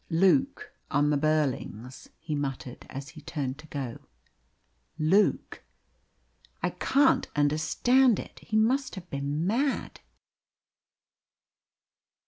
"Luke on the Burlings!" he muttered, as he turned to go. "Luke! I can't understand it. He must have been mad!"